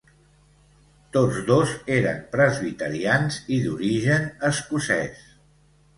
Tots dos eren presbiterians i d'origen escocès.